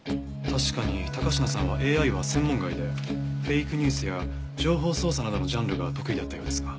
確かに高階さんはＡＩは専門外でフェイクニュースや情報操作などのジャンルが得意だったようですが。